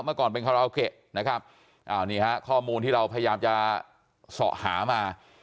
เมื่อก่อนเป็นคาราโอเกะนะครับอ้าวนี่ฮะข้อมูลที่เราพยายามจะเสาะหามา